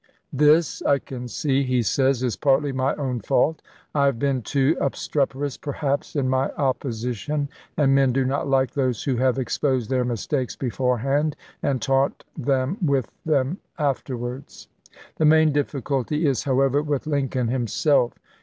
" This, I can see," he says, " is partly my own fault. I have been too obstreperous, perhaps, in my opposition, and men do not like those who have exposed their mistakes beforehand and taunt them with them afterwards. The main difficulty is, however, with Lincoln himself.